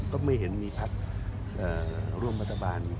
ก็ไม่เห็นมีพักร่วมรัฐบาล